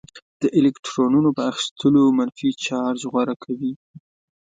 د الکترونونو په اخیستلو منفي چارج غوره کوي.